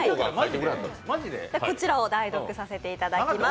こちらを代読させていただきます。